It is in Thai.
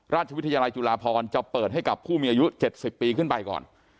ราชวิทยาลัยจุฬาพรจะเปิดให้กับผู้มีอายุ๗๐ปีขึ้นไปก่อน